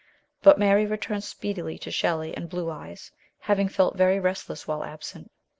But Mary returns speedily to Shelley and "Blue Eyes," having felt very restless while absent.